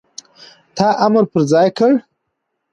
تا امر پر ځای کړ،